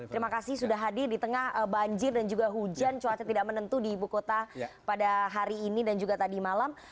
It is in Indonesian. terima kasih sudah hadir di tengah banjir dan juga hujan cuaca tidak menentu di ibu kota pada hari ini dan juga tadi malam